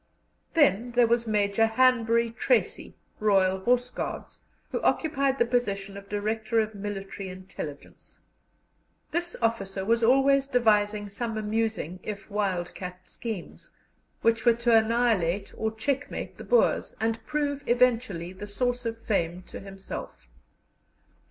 Then there was Major Hanbury Tracy, Royal Horse Guards, who occupied the position of Director of Military Intelligence. This officer was always devising some amusing if wild cat schemes, which were to annihilate or checkmate the Boers, and prove eventually the source of fame to himself.